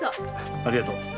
ありがとう。